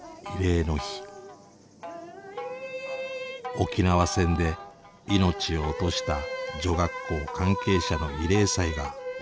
沖縄戦で命を落とした女学校関係者の慰霊祭が行われていました。